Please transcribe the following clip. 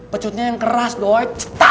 pecutnya yang keras doi